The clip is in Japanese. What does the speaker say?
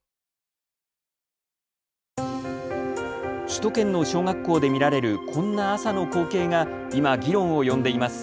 首都圏の小学校で見られるこんな朝の光景が今、議論を呼んでいます。